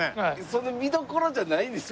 そんな見どころじゃないんですよ